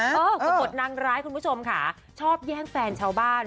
ปรากฏนางร้ายคุณผู้ชมค่ะชอบแย่งแฟนชาวบ้าน